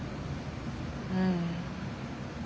うん。